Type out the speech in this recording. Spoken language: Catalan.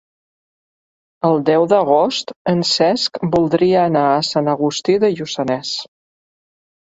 El deu d'agost en Cesc voldria anar a Sant Agustí de Lluçanès.